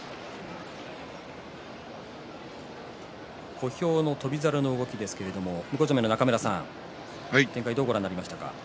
小兵の翔猿の動きですが向正面の中村さん展開をどうご覧になりましたか。